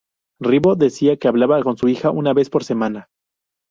Ribó decía que hablaba con su hija una vez por semana.